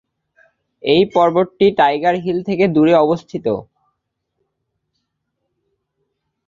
এই পর্বতটি Tiger Hill থেকে দূরে অবস্থিত।